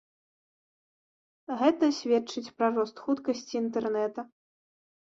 Гэта сведчыць пра рост хуткасці інтэрнэта.